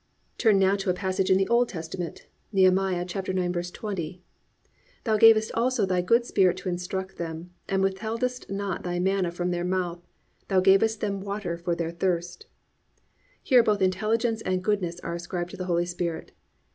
(5) Turn now to a passage in the Old Testament. Neh. 9:20. +"Thou gavest also thy good Spirit to instruct them, and withheldest not thy manna from their mouth, and gavest them water for their thirst."+ Here both intelligence and goodness are ascribed to the Holy Spirit.